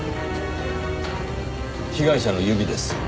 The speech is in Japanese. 被害者の指です。